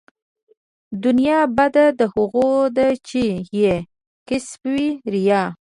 دنيا بده د هغو ده چې يې کسب وي ريا